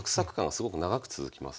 すごく長く続きます。